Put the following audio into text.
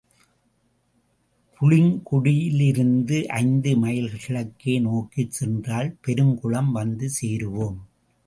புளிங்குடியிலிருந்து ஐந்து மைல் கிழக்கு நோக்கிச் சென்றால் பெருங்குளம் வந்து சேருவோம்.